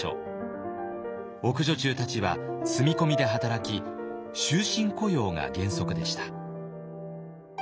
奥女中たちは住み込みで働き終身雇用が原則でした。